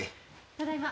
ただいま。